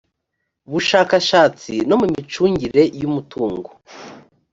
bushakashatsi no mu micungire y umutungo